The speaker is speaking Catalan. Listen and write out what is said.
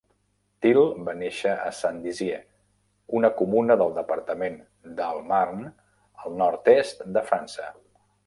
Thil va néixer a Saint-Dizier, una comuna del departament d'Alt Marne, al nord-est de França.